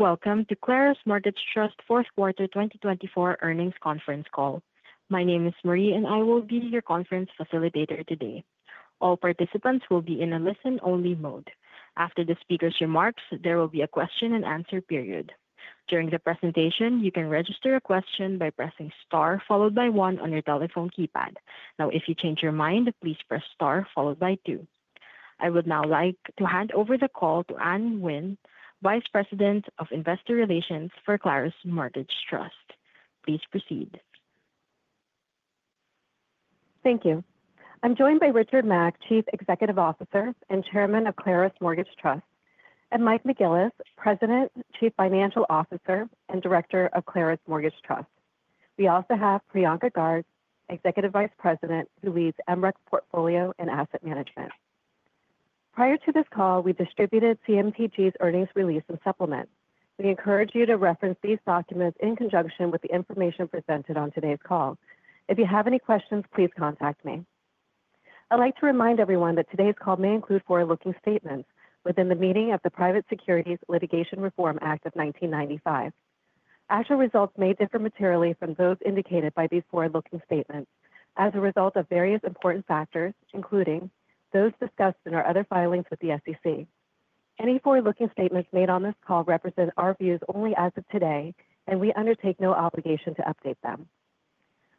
Welcome to Claros Mortgage Trust Fourth Quarter 2024 Earnings Conference Call. My name is Marie, and I will be your conference facilitator today. All participants will be in a listen-only mode. After the speaker's remarks, there will be a question-and-answer period. During the presentation, you can register a question by pressing star followed by one on your telephone keypad. Now, if you change your mind, please press star followed by two. I would now like to hand over the call to Anh Huynh, Vice President of Investor Relations for Claros Mortgage Trust. Please proceed. Thank you. I'm joined by Richard Mack, Chief Executive Officer and Chairman of Claros Mortgage Trust, and Mike McGillis, President, Chief Financial Officer, and Director of Claros Mortgage Trust. We also have Priyanka Garg, Executive Vice President, who leads MREC's portfolio and asset management. Prior to this call, we distributed CMTG's earnings release and supplement. We encourage you to reference these documents in conjunction with the information presented on today's call. If you have any questions, please contact me. I'd like to remind everyone that today's call may include forward-looking statements within the meaning of the Private Securities Litigation Reform Act of 1995. Actual results may differ materially from those indicated by these forward-looking statements as a result of various important factors, including those discussed in our other filings with the SEC. Any forward-looking statements made on this call represent our views only as of today, and we undertake no obligation to update them.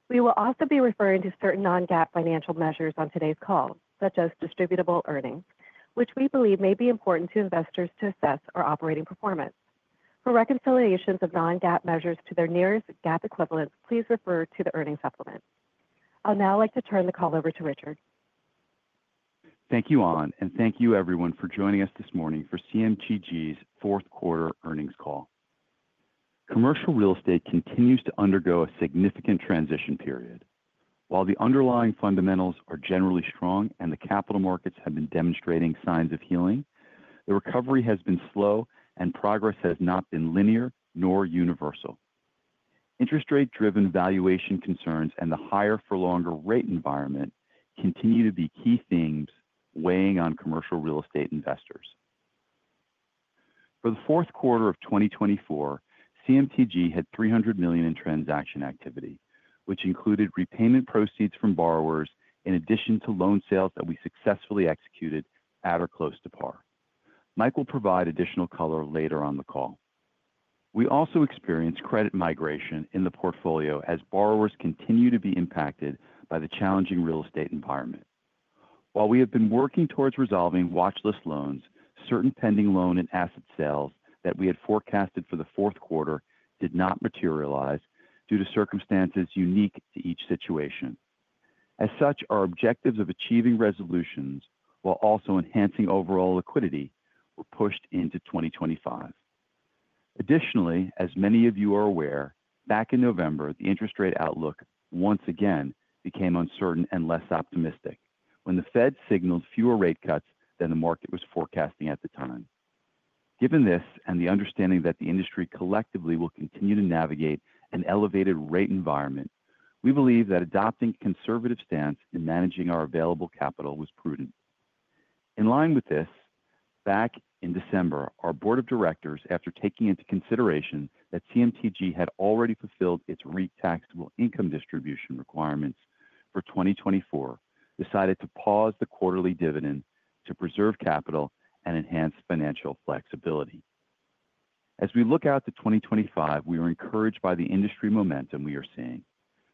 We will also be referring to certain non-GAAP financial measures on today's call, such as Distributable Earnings, which we believe may be important to investors to assess our operating performance. For reconciliations of non-GAAP measures to their nearest GAAP equivalents, please refer to the earnings supplement. I'd now like to turn the call over to Richard. Thank you, Anh, and thank you, everyone, for joining us this morning for CMTG's Fourth Quarter Earnings Call. Commercial real estate continues to undergo a significant transition period. While the underlying fundamentals are generally strong and the capital markets have been demonstrating signs of healing, the recovery has been slow and progress has not been linear nor universal. Interest rate-driven valuation concerns and the higher-for-longer rate environment continue to be key themes weighing on commercial real estate investors. For the fourth quarter of 2024, CMTG had $300 million in transaction activity, which included repayment proceeds from borrowers in addition to loan sales that we successfully executed at or close to par. Mike will provide additional color later on the call. We also experienced credit migration in the portfolio as borrowers continue to be impacted by the challenging real estate environment. While we have been working towards resolving watchlist loans, certain pending loan and asset sales that we had forecasted for the fourth quarter did not materialize due to circumstances unique to each situation. As such, our objectives of achieving resolutions while also enhancing overall liquidity were pushed into 2025. Additionally, as many of you are aware, back in November, the interest rate outlook once again became uncertain and less optimistic when the Fed signaled fewer rate cuts than the market was forecasting at the time. Given this and the understanding that the industry collectively will continue to navigate an elevated rate environment, we believe that adopting a conservative stance in managing our available capital was prudent. In line with this, back in December, our board of directors, after taking into consideration that CMTG had already fulfilled its REIT taxable income distribution requirements for 2024, decided to pause the quarterly dividend to preserve capital and enhance financial flexibility. As we look out to 2025, we are encouraged by the industry momentum we are seeing.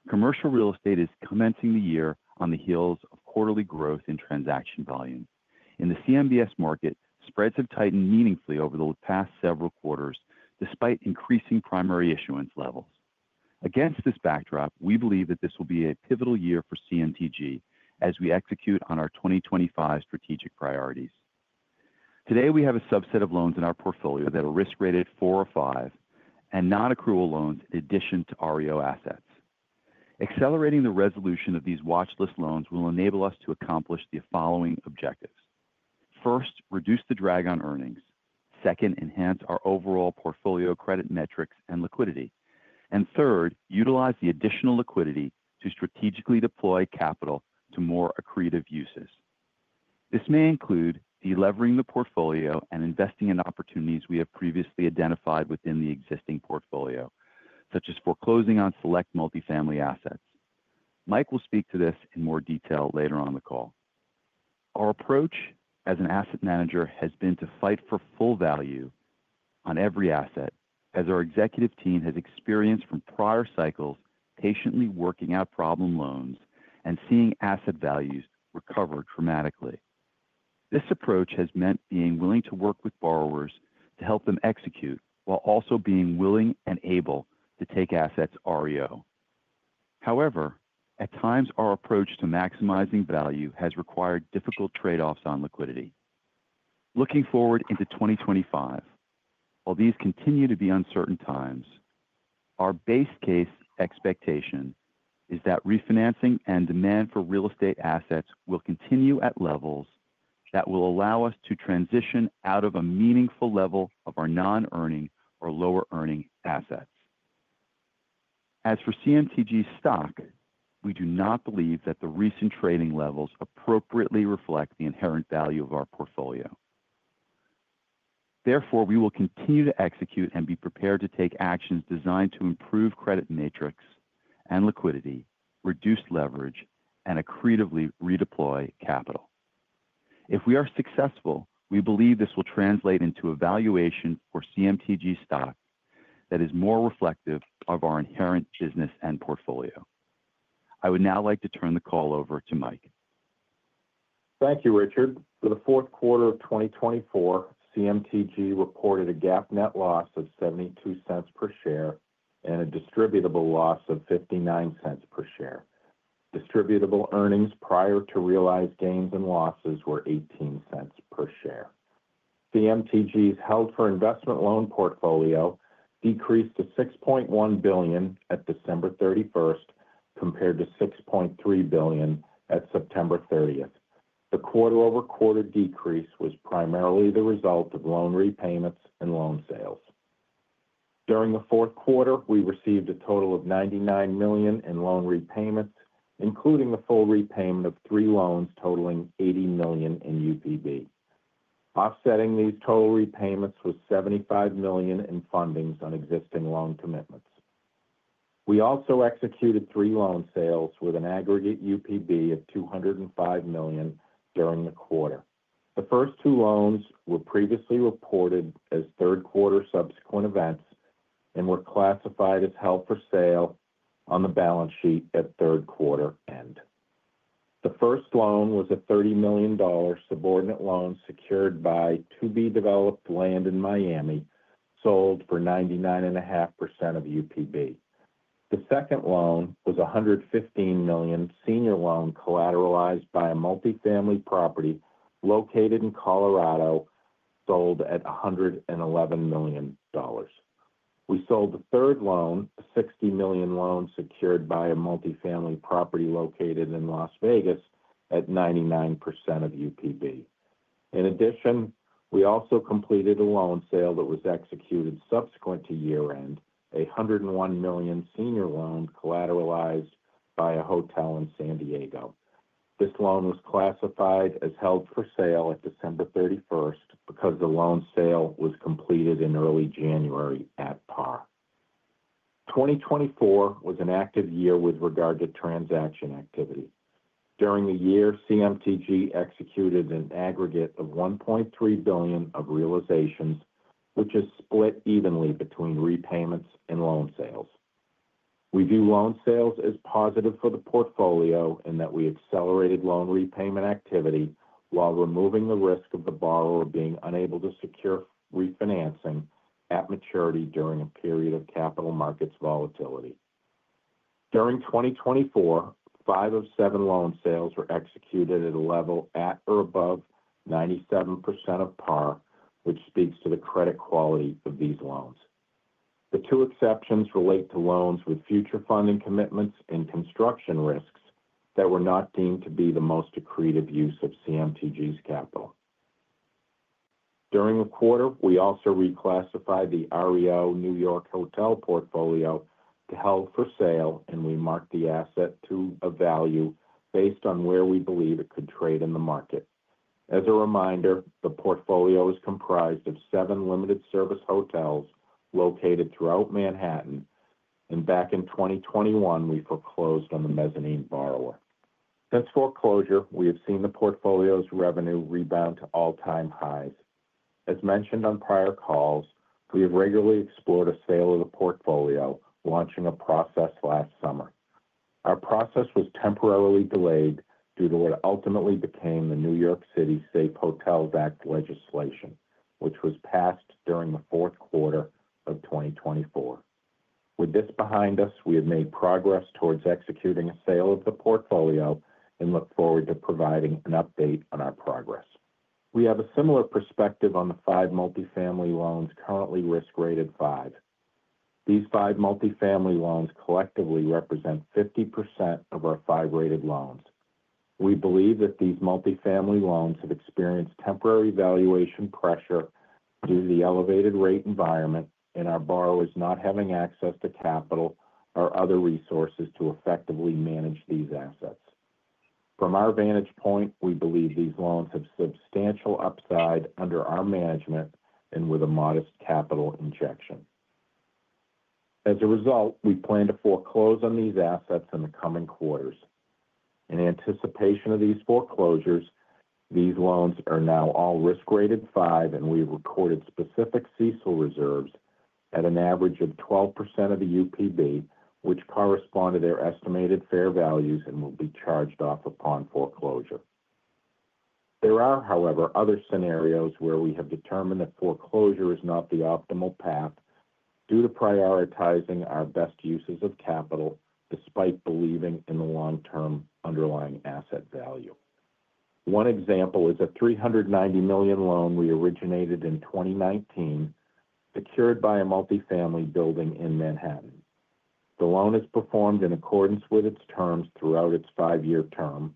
Commercial real estate is commencing the year on the heels of quarterly growth in transaction volume. In the CMBS market, spreads have tightened meaningfully over the past several quarters despite increasing primary issuance levels. Against this backdrop, we believe that this will be a pivotal year for CMTG as we execute on our 2025 strategic priorities. Today, we have a subset of loans in our portfolio that are risk-rated four or five and non-accrual loans in addition to REO assets. Accelerating the resolution of these watchlist loans will enable us to accomplish the following objectives. First, reduce the drag on earnings. Second, enhance our overall portfolio credit metrics and liquidity. And third, utilize the additional liquidity to strategically deploy capital to more accretive uses. This may include delevering the portfolio and investing in opportunities we have previously identified within the existing portfolio, such as foreclosing on select multifamily assets. Mike will speak to this in more detail later on the call. Our approach as an asset manager has been to fight for full value on every asset, as our executive team has experienced from prior cycles patiently working out problem loans and seeing asset values recover dramatically. This approach has meant being willing to work with borrowers to help them execute while also being willing and able to take assets REO. However, at times, our approach to maximizing value has required difficult trade-offs on liquidity. Looking forward into 2025, while these continue to be uncertain times, our base case expectation is that refinancing and demand for real estate assets will continue at levels that will allow us to transition out of a meaningful level of our non-earning or lower-earning assets. As for CMTG's stock, we do not believe that the recent trading levels appropriately reflect the inherent value of our portfolio. Therefore, we will continue to execute and be prepared to take actions designed to improve credit metrics and liquidity, reduce leverage, and accretively redeploy capital. If we are successful, we believe this will translate into a valuation for CMTG's stock that is more reflective of our inherent business and portfolio. I would now like to turn the call over to Mike. Thank you, Richard. For the fourth quarter of 2024, CMTG reported a GAAP net loss of $0.72 per share and a Distributable Loss of $0.59 per share. Distributable Earnings prior to realized gains and losses were $0.18 per share. CMTG's held-for-investment loan portfolio decreased to $6.1 billion at December 31st compared to $6.3 billion at September 30th. The quarter-over-quarter decrease was primarily the result of loan repayments and loan sales. During the fourth quarter, we received a total of $99 million in loan repayments, including the full repayment of three loans totaling $80 million in UPB. Offsetting these total repayments was $75 million in fundings on existing loan commitments. We also executed three loan sales with an aggregate UPB of $205 million during the quarter. The first two loans were previously reported as third-quarter subsequent events and were classified as held for sale on the balance sheet at third-quarter end. The first loan was a $30 million subordinate loan secured by to-be-developed land in Miami, sold for 99.5% of UPB. The second loan was $115 million senior loan collateralized by a multifamily property located in Colorado, sold at $111 million. We sold the third loan, a $60 million loan secured by a multifamily property located in Las Vegas at 99% of UPB. In addition, we also completed a loan sale that was executed subsequent to year-end, a $101 million senior loan collateralized by a hotel in San Diego. This loan was classified as held for sale at December 31st because the loan sale was completed in early January at par. 2024 was an active year with regard to transaction activity. During the year, CMTG executed an aggregate of $1.3 billion of realizations, which is split evenly between repayments and loan sales. We view loan sales as positive for the portfolio in that we accelerated loan repayment activity while removing the risk of the borrower being unable to secure refinancing at maturity during a period of capital markets volatility. During 2024, five of seven loan sales were executed at a level at or above 97% of par, which speaks to the credit quality of these loans. The two exceptions relate to loans with future funding commitments and construction risks that were not deemed to be the most accretive use of CMTG's capital. During the quarter, we also reclassified the REO New York Hotel Portfolio to held for sale, and we marked the asset to a value based on where we believe it could trade in the market. As a reminder, the portfolio is comprised of seven limited-service hotels located throughout Manhattan, and back in 2021, we foreclosed on the mezzanine borrower. Since foreclosure, we have seen the portfolio's revenue rebound to all-time highs. As mentioned on prior calls, we have regularly explored a sale of the portfolio, launching a process last summer. Our process was temporarily delayed due to what ultimately became the New York City Safe Hotels Act legislation, which was passed during the fourth quarter of 2024. With this behind us, we have made progress towards executing a sale of the portfolio and look forward to providing an update on our progress. We have a similar perspective on the five multifamily loans currently risk-rated five. These five multifamily loans collectively represent 50% of our five-rated loans. We believe that these multifamily loans have experienced temporary valuation pressure due to the elevated rate environment and our borrowers not having access to capital or other resources to effectively manage these assets. From our vantage point, we believe these loans have substantial upside under our management and with a modest capital injection. As a result, we plan to foreclose on these assets in the coming quarters. In anticipation of these foreclosures, these loans are now all risk-rated five, and we have recorded specific CECL reserves at an average of 12% of the UPB, which correspond to their estimated fair values and will be charged off upon foreclosure. There are, however, other scenarios where we have determined that foreclosure is not the optimal path due to prioritizing our best uses of capital despite believing in the long-term underlying asset value. One example is a $390 million loan we originated in 2019 secured by a multifamily building in Manhattan. The loan is performed in accordance with its terms throughout its five-year term.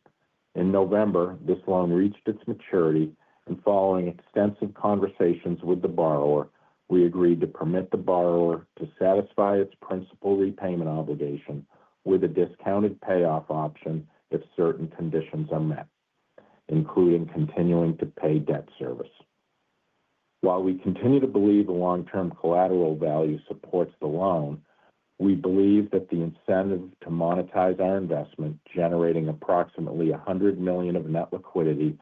In November, this loan reached its maturity, and following extensive conversations with the borrower, we agreed to permit the borrower to satisfy its principal repayment obligation with a discounted payoff option if certain conditions are met, including continuing to pay debt service. While we continue to believe the long-term collateral value supports the loan, we believe that the incentive to monetize our investment, generating approximately $100 million of net liquidity,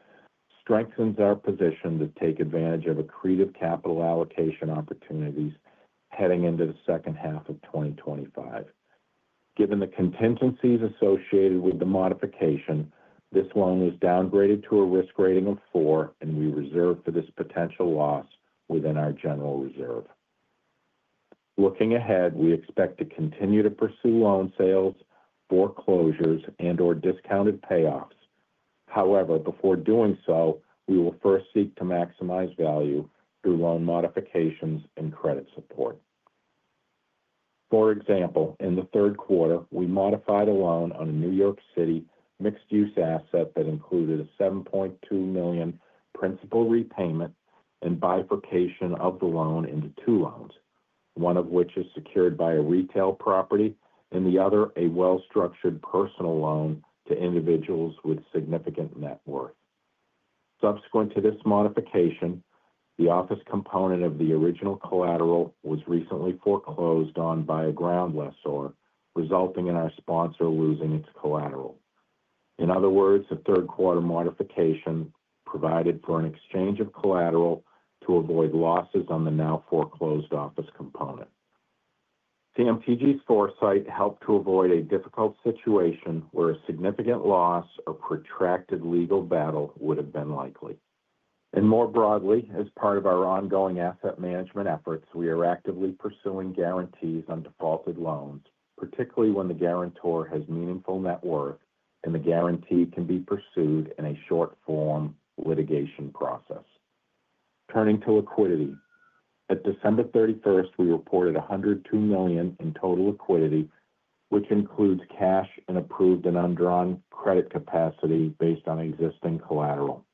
strengthens our position to take advantage of accretive capital allocation opportunities heading into the second half of 2025. Given the contingencies associated with the modification, this loan was downgraded to a risk rating of four, and we reserved for this potential loss within our general reserve. Looking ahead, we expect to continue to pursue loan sales, foreclosures, and/or discounted payoffs. However, before doing so, we will first seek to maximize value through loan modifications and credit support. For example, in the third quarter, we modified a loan on a New York City mixed-use asset that included a $7.2 million principal repayment and bifurcation of the loan into two loans, one of which is secured by a retail property and the other a well-structured personal loan to individuals with significant net worth. Subsequent to this modification, the office component of the original collateral was recently foreclosed on by a ground lessor, resulting in our sponsor losing its collateral. In other words, a third-quarter modification provided for an exchange of collateral to avoid losses on the now foreclosed office component. CMTG's foresight helped to avoid a difficult situation where a significant loss or protracted legal battle would have been likely. And more broadly, as part of our ongoing asset management efforts, we are actively pursuing guarantees on defaulted loans, particularly when the guarantor has meaningful net worth and the guarantee can be pursued in a short-form litigation process. Turning to liquidity, at December 31st, we reported $102 million in total liquidity, which includes cash and approved and undrawn credit capacity based on existing collateral.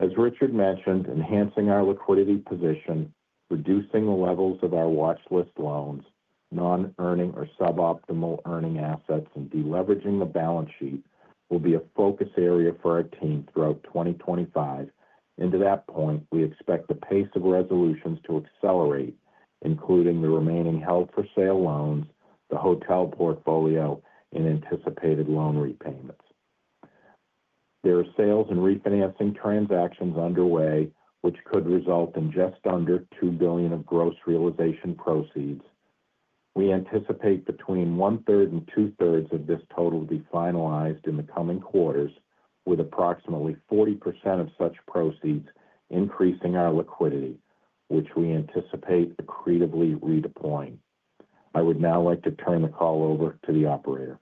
As Richard mentioned, enhancing our liquidity position, reducing the levels of our watchlist loans, non-earning or suboptimal earning assets, and deleveraging the balance sheet will be a focus area for our team throughout 2025. And to that point, we expect the pace of resolutions to accelerate, including the remaining held-for-sale loans, the hotel portfolio, and anticipated loan repayments. There are sales and refinancing transactions underway, which could result in just under $2 billion of gross realization proceeds. We anticipate between 1/3 and two-thirds of this total to be finalized in the coming quarters, with approximately 40% of such proceeds increasing our liquidity, which we anticipate accretively redeploying. I would now like to turn the call over to the operator.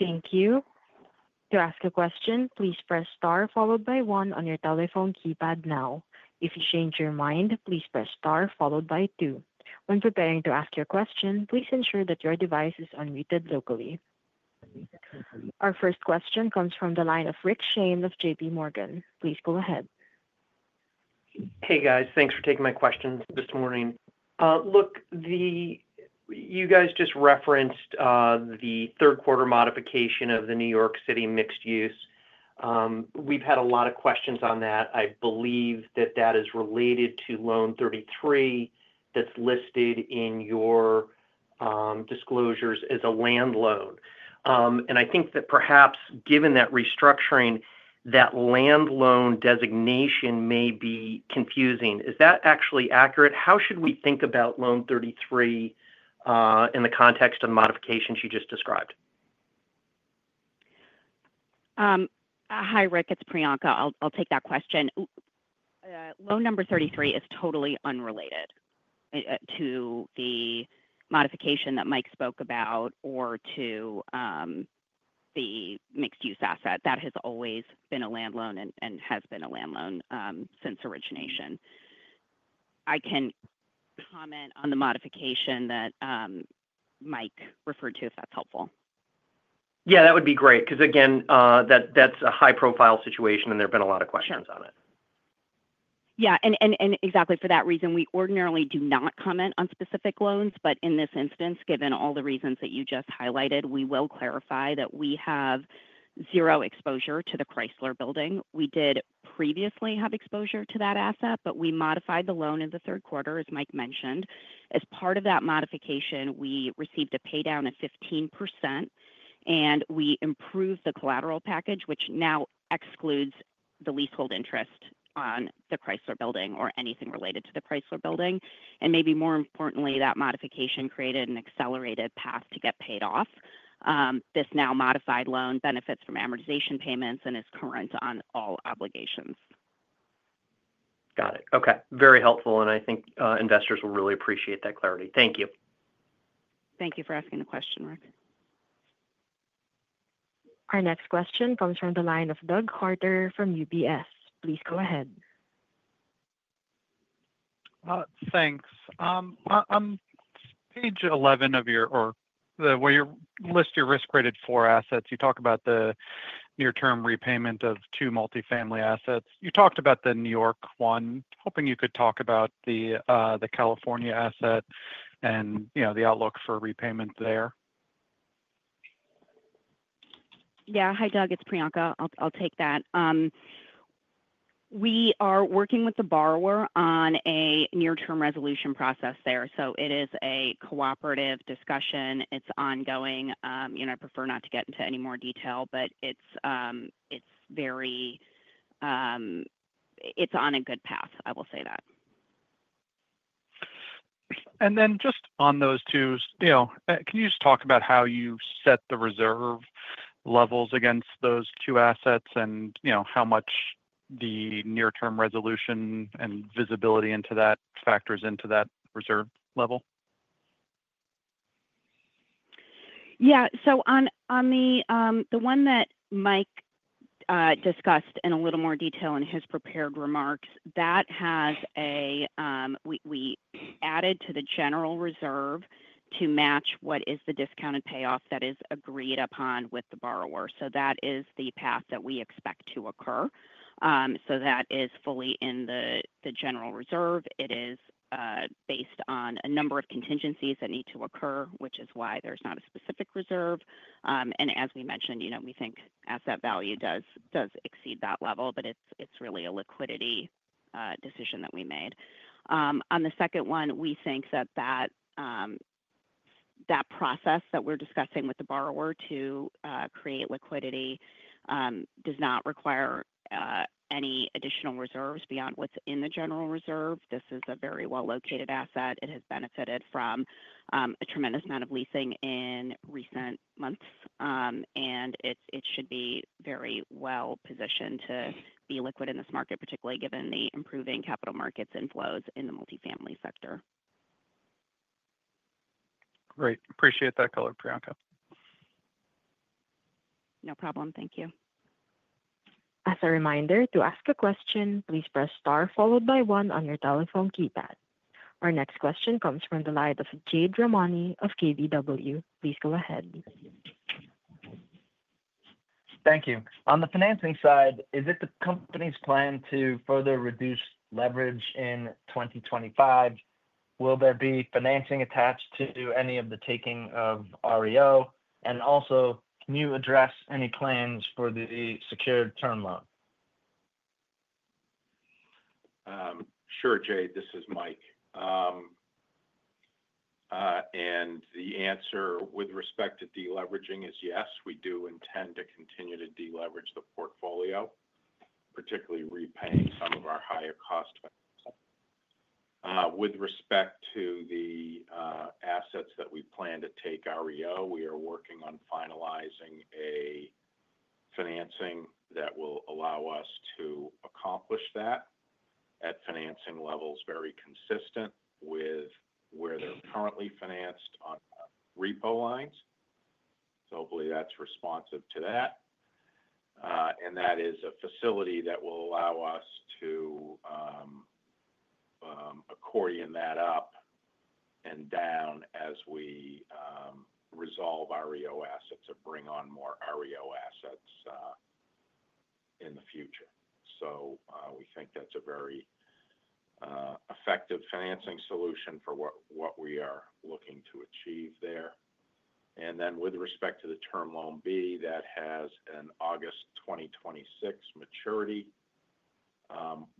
Thank you. To ask a question, please press star followed by one on your telephone keypad now. If you change your mind, please press star followed by two. When preparing to ask your question, please ensure that your device is unmuted locally. Our first question comes from the line of Rick Shane of JPMorgan. Please go ahead. Hey, guys. Thanks for taking my questions this morning. Look, you guys just referenced the third-quarter modification of the New York City mixed-use. We've had a lot of questions on that. I believe that that is related to Loan 33 that's listed in your disclosures as a land loan. And I think that perhaps, given that restructuring, that land loan designation may be confusing. Is that actually accurate? How should we think about Loan 33 in the context of the modifications you just described? Hi, Rick. It's Priyanka. I'll take that question. Loan 33 is totally unrelated to the modification that Mike spoke about or to the mixed-use asset. That has always been a land loan and has been a land loan since origination. I can comment on the modification that Mike referred to if that's helpful. Yeah, that would be great because, again, that's a high-profile situation, and there have been a lot of questions on it. Sure. Yeah, and exactly for that reason, we ordinarily do not comment on specific loans, but in this instance, given all the reasons that you just highlighted, we will clarify that we have zero exposure to the Chrysler Building. We did previously have exposure to that asset, but we modified the loan in the third quarter, as Mike mentioned. As part of that modification, we received a paydown of 15%, and we improved the collateral package, which now excludes the leasehold interest on the Chrysler Building or anything related to the Chrysler Building, and maybe more importantly, that modification created an accelerated path to get paid off. This now modified loan benefits from amortization payments and is current on all obligations. Got it. Okay. Very helpful. And I think investors will really appreciate that clarity. Thank you. Thank you for asking the question, Rick. Our next question comes from the line of Doug Harter from UBS. Please go ahead. Thanks. On page 11 of your list, your risk-rated 4 assets, you talk about the near-term repayment of two multifamily assets. You talked about the New York one. Hoping you could talk about the California asset and the outlook for repayment there. Yeah. Hi, Doug. It's Priyanka. I'll take that. We are working with the borrower on a near-term resolution process there. So it is a cooperative discussion. It's ongoing. I prefer not to get into any more detail, but it's on a good path. I will say that. And then just on those two, can you just talk about how you set the reserve levels against those two assets and how much the near-term resolution and visibility into that factors into that reserve level? Yeah. So on the one that Mike discussed in a little more detail in his prepared remarks, that has, we added to the general reserve to match what is the discounted payoff that is agreed upon with the borrower. So that is the path that we expect to occur. So that is fully in the general reserve. It is based on a number of contingencies that need to occur, which is why there's not a specific reserve. And as we mentioned, we think asset value does exceed that level, but it's really a liquidity decision that we made. On the second one, we think that that process that we're discussing with the borrower to create liquidity does not require any additional reserves beyond what's in the general reserve. This is a very well-located asset. It has benefited from a tremendous amount of leasing in recent months, and it should be very well-positioned to be liquid in this market, particularly given the improving capital markets inflows in the multifamily sector. Great. Appreciate that color Priyanka. No problem. Thank you. As a reminder, to ask a question, please press star followed by one on your telephone keypad. Our next question comes from the line of Jade Rahmani of KBW. Please go ahead. Thank you. On the financing side, is it the company's plan to further reduce leverage in 2025? Will there be financing attached to any of the taking of REO? And also, can you address any plans for the secured term loan? Sure, Jade. This is Mike. And the answer with respect to deleveraging is yes we do intend to continue to deleverage the portfolio, particularly repaying some of our higher-cost assets. With respect to the assets that we plan to take REO, we are working on finalizing a financing that will allow us to accomplish that at financing levels very consistent with where they're currently financed on repo lines. So hopefully, that's responsive to that. And that is a facility that will allow us to accordion that up and down as we resolve REO assets or bring on more REO assets in the future. So we think that's a very effective financing solution for what we are looking to achieve there. And then with respect to the Term Loan B that has an August 2026 maturity,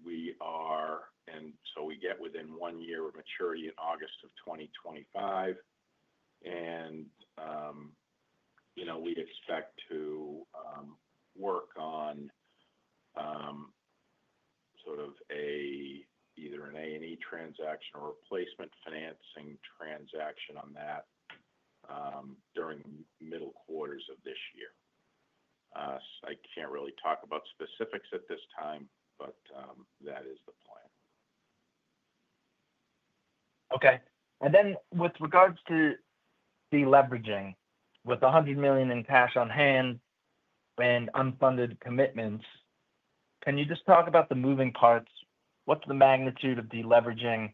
we are and so we get within one year of maturity in August of 2025. We expect to work on sort of either an A&E transaction or a replacement financing transaction on that during the middle quarters of this year. I can't really talk about specifics at this time, but that is the plan. Okay. And then with regards to deleveraging, with $100 million in cash on hand and unfunded commitments, can you just talk about the moving parts? What's the magnitude of deleveraging?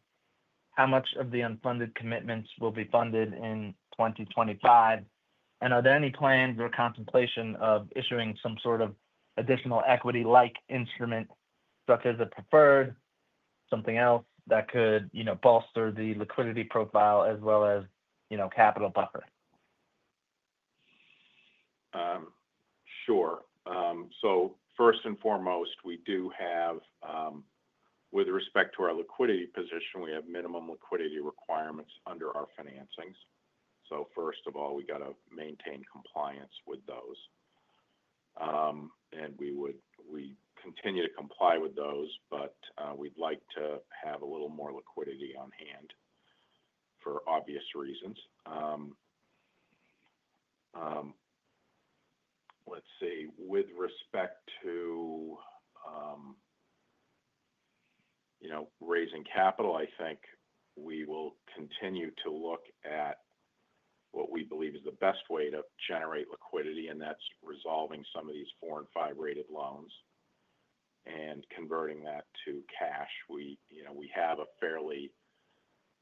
How much of the unfunded commitments will be funded in 2025? And are there any plans or contemplation of issuing some sort of additional equity-like instrument such as a preferred, something else that could bolster the liquidity profile as well as capital buffer? Sure. First and foremost, with respect to our liquidity position, we have minimum liquidity requirements under our financings. First of all, we got to maintain compliance with those. We continue to comply with those, but we'd like to have a little more liquidity on hand for obvious reasons. Let's see. With respect to raising capital, I think we will continue to look at what we believe is the best way to generate liquidity, and that's resolving some of these four- and five-rated loans and converting that to cash. We have a fairly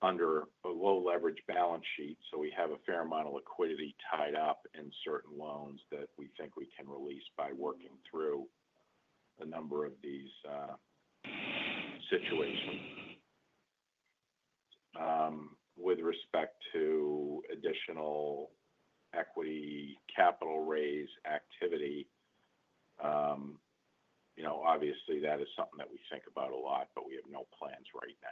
low-leverage balance sheet, so we have a fair amount of liquidity tied up in certain loans that we think we can release by working through a number of these situations. With respect to additional equity capital raise activity, obviously, that is something that we think about a lot, but we have no plans right now.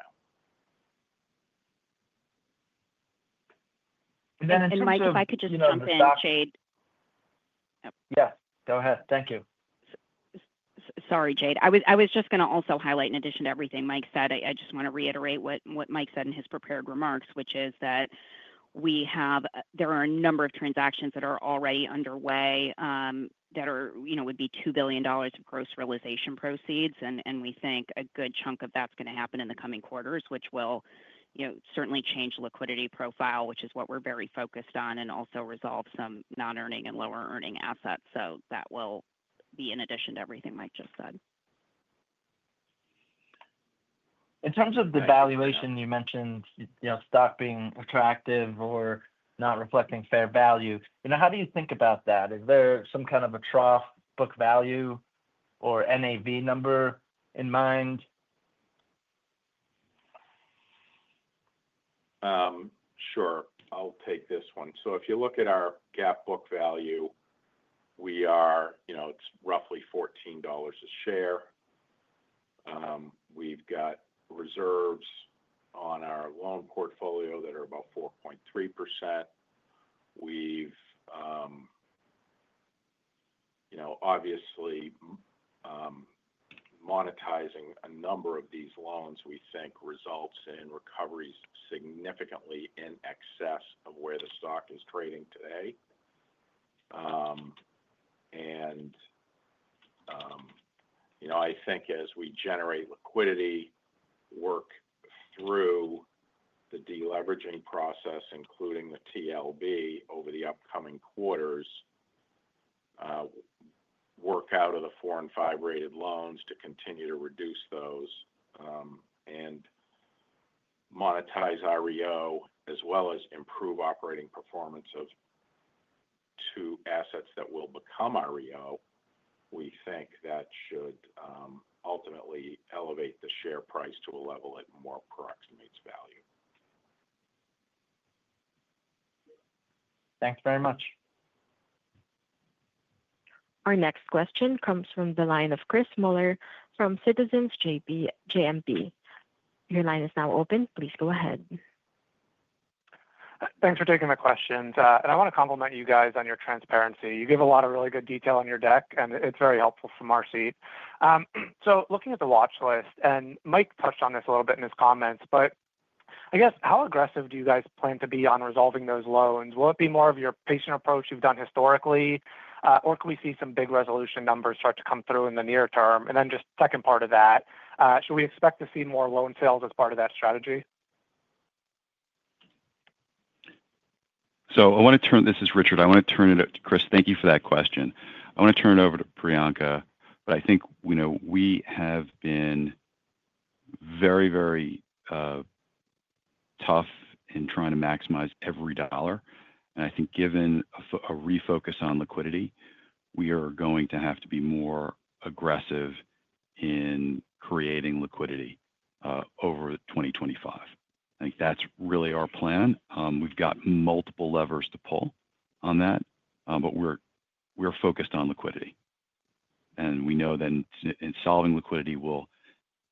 And then Mike, if I could just jump in, Jade. Yeah. Go ahead. Thank you. Sorry, Jade. I was just going to also highlight, in addition to everything Mike said, I just want to reiterate what Mike said in his prepared remarks, which is that there are a number of transactions that are already underway that would be $2 billion of gross realization proceeds. And we think a good chunk of that's going to happen in the coming quarters, which will certainly change liquidity profile, which is what we're very focused on, and also resolve some non-earning and lower-earning assets. So that will be in addition to everything Mike just said. In terms of the valuation, you mentioned stock being attractive or not reflecting fair value. How do you think about that? Is there some kind of a trough book value or NAV number in mind? Sure. I'll take this one. So if you look at our GAAP book value, it's roughly $14 a share. We've got reserves on our loan portfolio that are about 4.3%. We've obviously monetizing a number of these loans. We think results in recoveries significantly in excess of where the stock is trading today. And I think as we generate liquidity, work through the deleveraging process, including the TLB over the upcoming quarters, work out of the 4 and 5-rated loans to continue to reduce those and monetize REO as well as improve operating performance of two assets that will become REO. We think that should ultimately elevate the share price to a level it more approximates value. Thanks very much. Our next question comes from the line of Chris Muller from Citizens JMP. Your line is now open. Please go ahead. Thanks for taking the questions. And I want to compliment you guys on your transparency. You give a lot of really good detail in your deck, and it's very helpful from our seat. So looking at the watchlist, and Mike touched on this a little bit in his comments, but I guess how aggressive do you guys plan to be on resolving those loans? Will it be more of your patient approach you've done historically, or can we see some big resolution numbers start to come through in the near term? And then just second part of that, should we expect to see more loan sales as part of that strategy? This is Richard. I want to turn it to Chris. Thank you for that question. I want to turn it over to Priyanka, but I think we have been very, very tough in trying to maximize every dollar. And I think, given a refocus on liquidity, we are going to have to be more aggressive in creating liquidity over 2025. I think that's really our plan. We've got multiple levers to pull on that, but we're focused on liquidity. And we know that in solving liquidity will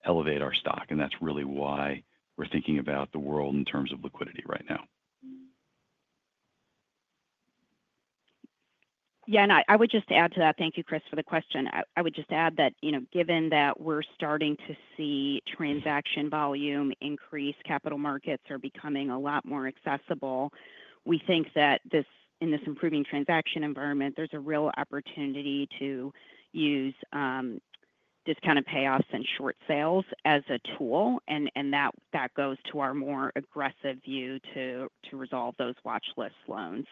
elevate our stock. And that's really why we're thinking about the world in terms of liquidity right now. Yeah. And I would just add to that. Thank you, Chris, for the question. I would just add that given that we're starting to see transaction volume increase, capital markets are becoming a lot more accessible. We think that in this improving transaction environment, there's a real opportunity to use discounted payoffs and short sales as a tool. And that goes to our more aggressive view to resolve those watchlist loans.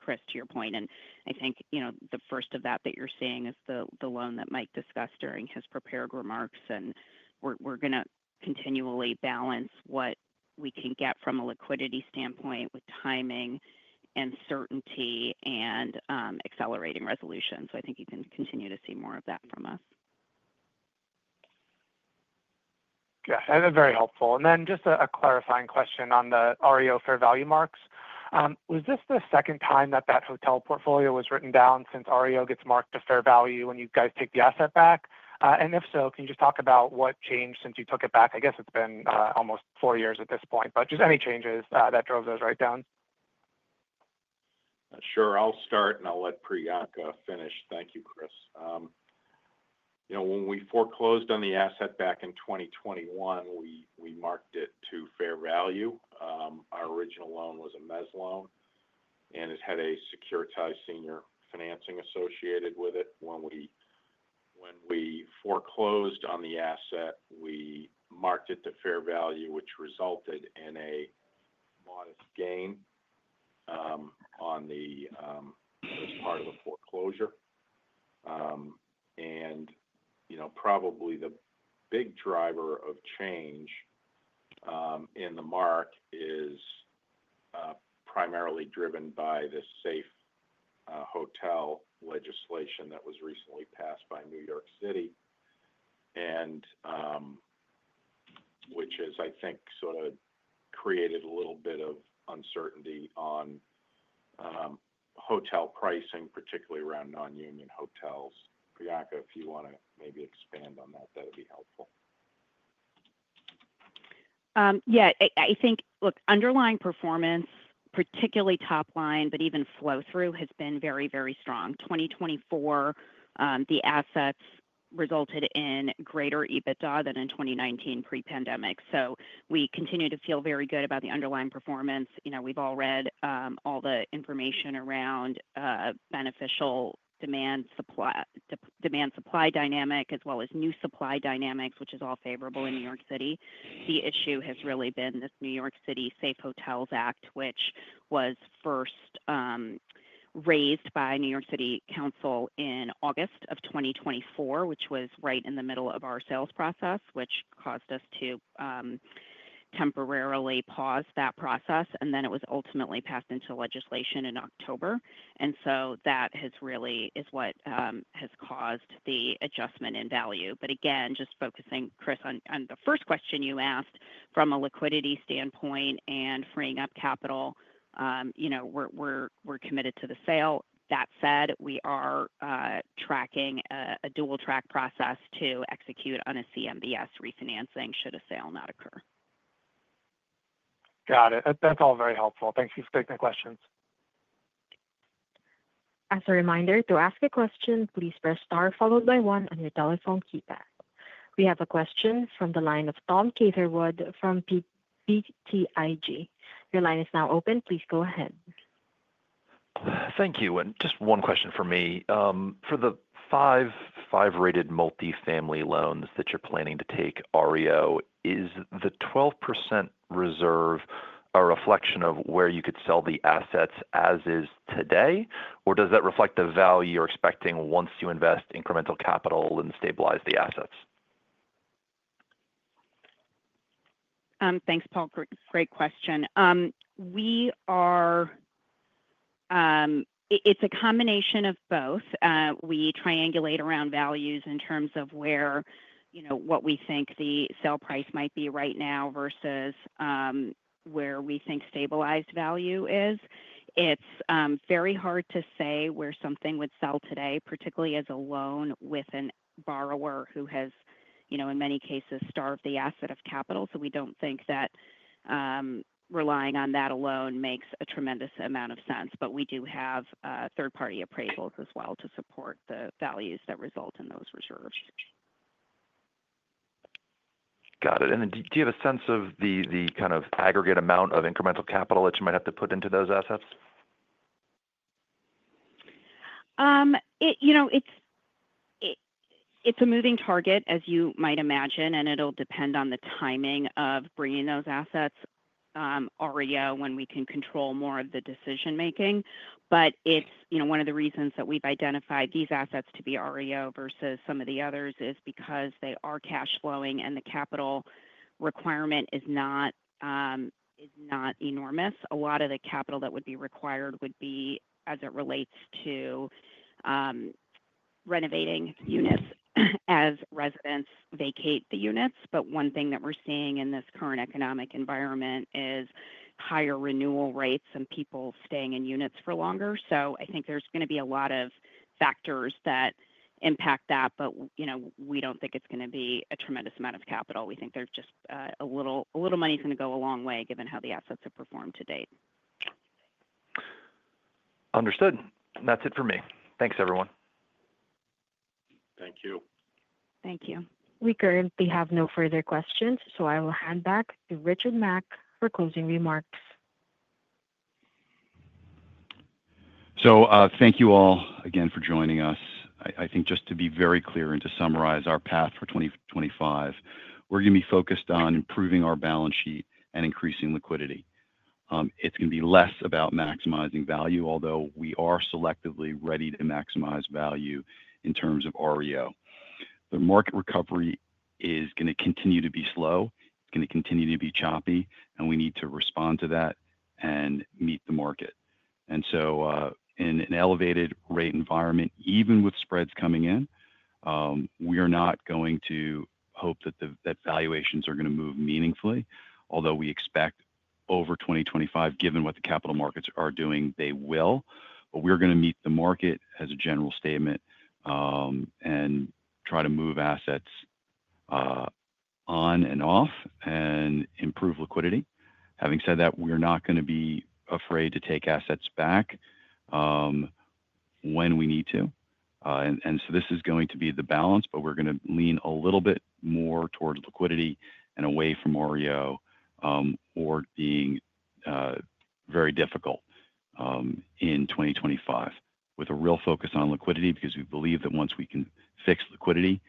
Chris, to your point, and I think the first of that that you're seeing is the loan that Mike discussed during his prepared remarks. And we're going to continually balance what we can get from a liquidity standpoint with timing and certainty and accelerating resolution. So I think you can continue to see more of that from us. Yeah. That's very helpful. And then just a clarifying question on the REO fair value marks. Was this the second time that that hotel portfolio was written down since REO gets marked to fair value when you guys take the asset back? And if so, can you just talk about what changed since you took it back? I guess it's been almost four years at this point, but just any changes that drove those write down. Sure. I'll start, and I'll let Priyanka finish. Thank you, Chris. When we foreclosed on the asset back in 2021, we marked it to fair value. Our original loan was a mezz loan, and it had a securitized senior financing associated with it. When we foreclosed on the asset, we marked it to fair value, which resulted in a modest gain on the asset as part of the foreclosure. And probably the big driver of change in the mark is primarily driven by the safe hotel legislation that was recently passed by New York City, which is, I think, sort of created a little bit of uncertainty on hotel pricing, particularly around non-union hotels. Priyanka, if you want to maybe expand on that, that would be helpful. Yeah. I think, look, underlying performance, particularly top line, but even flow-through has been very, very strong. 2024, the assets resulted in greater EBITDA than in 2019 pre-pandemic. So we continue to feel very good about the underlying performance. We've all read all the information around beneficial demand-supply dynamic as well as new supply dynamics, which is all favorable in New York City. The issue has really been this New York City Safe Hotels Act, which was first raised by New York City Council in August of 2024, which was right in the middle of our sales process, which caused us to temporarily pause that process. And then it was ultimately passed into legislation in October. And so that has really is what has caused the adjustment in value. But again, just focusing, Chris, on the first question you asked from a liquidity standpoint and freeing up capital, we're committed to the sale. That said, we are tracking a dual-track process to execute on a CMBS refinancing should a sale not occur. Got it. That's all very helpful. Thanks for taking the questions. As a reminder, to ask a question, please press star followed by one on your telephone keypad. We have a question from the line of Tom Catherwood from BTIG. Your line is now open. Please go ahead. Thank you. And just one question for me. For the five-rated multifamily loans that you're planning to take REO, is the 12% reserve a reflection of where you could sell the assets as is today, or does that reflect the value you're expecting once you invest incremental capital and stabilize the assets? Thanks, Tom. Great question. It's a combination of both. We triangulate around values in terms of what we think the sell price might be right now versus where we think stabilized value is. It's very hard to say where something would sell today, particularly as a loan with a borrower who has, in many cases, starved the asset of capital. So we don't think that relying on that alone makes a tremendous amount of sense. But we do have third-party appraisals as well to support the values that result in those reserves. Got it. Then do you have a sense of the kind of aggregate amount of incremental capital that you might have to put into those assets? It's a moving target, as you might imagine, and it'll depend on the timing of bringing those assets REO when we can control more of the decision-making. But one of the reasons that we've identified these assets to be REO versus some of the others is because they are cash-flowing and the capital requirement is not enormous. A lot of the capital that would be required would be as it relates to renovating units as residents vacate the units. But one thing that we're seeing in this current economic environment is higher renewal rates and people staying in units for longer. So I think there's going to be a lot of factors that impact that, but we don't think it's going to be a tremendous amount of capital. We think there's just a little money is going to go a long way given how the assets have performed to date. Understood. That's it for me. Thanks, everyone. Thank you. Thank you. We currently have no further questions, so I will hand back to Richard Mack for closing remarks. Thank you all again for joining us. I think just to be very clear and to summarize our path for 2025, we're going to be focused on improving our balance sheet and increasing liquidity. It's going to be less about maximizing value, although we are selectively ready to maximize value in terms of REO. The market recovery is going to continue to be slow. It's going to continue to be choppy, and we need to respond to that and meet the market. And so in an elevated rate environment, even with spreads coming in, we are not going to hope that valuations are going to move meaningfully. Although we expect over 2025, given what the capital markets are doing, they will. But we're going to meet the market as a general statement and try to move assets on and off and improve liquidity. Having said that, we're not going to be afraid to take assets back when we need to, and so this is going to be the balance, but we're going to lean a little bit more towards liquidity and away from REO or being very difficult in 2025 with a real focus on liquidity because we believe that once we can fix liquidity,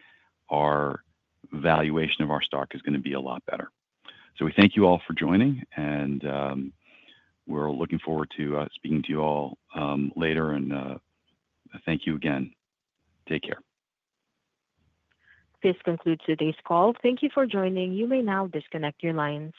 our valuation of our stock is going to be a lot better, so we thank you all for joining, and we're looking forward to speaking to you all later, and thank you again. Take care. This concludes today's call. Thank you for joining. You may now disconnect your lines.